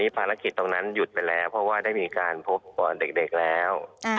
ปารักษณะตรงนั้นหยุดไปแล้วมีการพบเด็กเด็กแล้ว